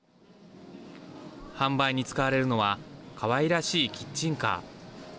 販売に使われるのはかわいらしいキッチンカー。